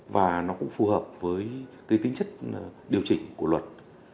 và nó cũng phù hợp với cái tính chất điều chỉnh của luật